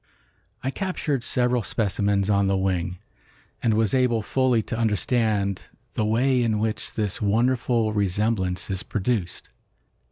I captured several specimens on the wing, and was able fully to understand the way in which this wonderful resemblance is produced.